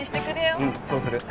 うんそうする。